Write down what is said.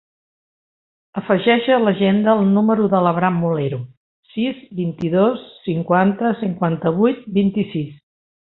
Afegeix a l'agenda el número de l'Abraham Molero: sis, vint-i-dos, cinquanta, cinquanta-vuit, vint-i-sis.